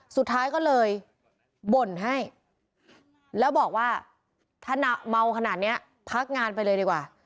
สุดท้ายก็เลยบ่นให้แล้วบอกว่าถ้าเมาขนาดนี้พักงานไปเลยดีกว่า